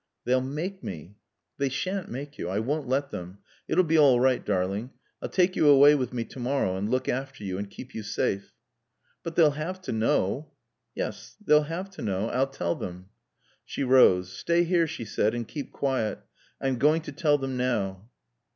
"They'll make me." "They shan't make you. I won't let them. It'll be all right, darling. I'll take you away with me to morrow, and look after you, and keep you safe." "But they'll have to know." "Yes. They'll have to know. I'll tell them." She rose. "Stay here," she said. "And keep quiet. I'm going to tell them now."